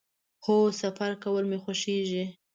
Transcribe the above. هو، سفر کول می خوښیږي